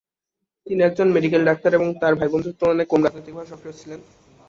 তিনি একজন medical doctor এবং তার ভাইবোনদের তুলনায় কম রাজনৈতিকভাবে সক্রিয় ছিলেন।